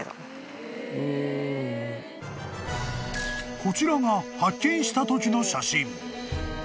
［こちらが発見したときの写真］